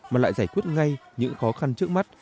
mà lại giải quyết ngay những khó khăn trước mắt